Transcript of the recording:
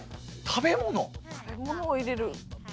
食べ物を入れる。